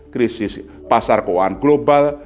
krisis pasar keuangan global